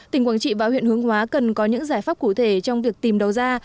tỉnh quảng trị và huyện hướng hóa cần có những giải pháp cụ thể trong việc tìm đầu ra